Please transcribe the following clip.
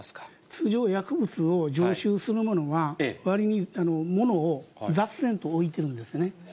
通常、薬物を常習される者は、わりにものを雑然と置いているんですね。